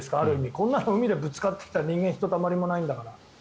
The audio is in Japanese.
こんなの海でぶつかったら人間ひとたまりもないんだから。